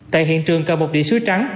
tại hiện trường cầm một địa sứ trắng